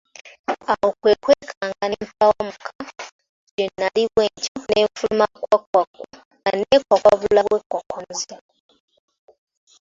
Awo kwe kwekanga ne mpawumuka gye nnali bwentyo ne nfuluma kkwakkwakkwa nga nneekwakwabula bwekwakwabuzi!